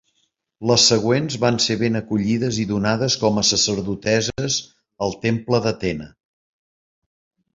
Les següents van ser ben acollides i donades com a sacerdotesses al temple d'Atena.